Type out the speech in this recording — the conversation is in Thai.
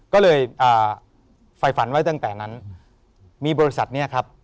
ก็เลยอ่าไฟฝันไว้ตั้งแต่นั้นมีบริษัทเนี้ยครับ